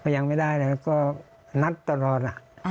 ก็ยังไม่ได้แล้วก็นัดตลอด